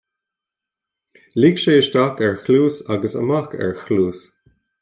Lig sé isteach ar chluas agus amach ar chluas